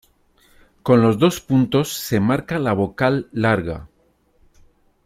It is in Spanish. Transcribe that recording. Con los dos puntos se marca la vocal larga.